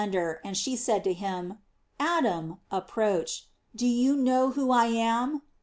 dor, and she said to him: "Adam, approach; do you know who I am?"